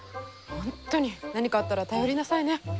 本当に何かあったら頼りなさいね。